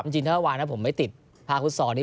จริงถ้าวันน่ะผมไม่ติดพระคุศรนี้